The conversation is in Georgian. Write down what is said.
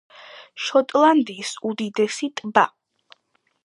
შოტლანდიის უდიდესი ტბა.